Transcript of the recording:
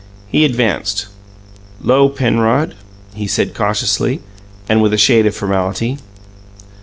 He advanced. "'Lo, Penrod," he said cautiously, and with a shade of formality.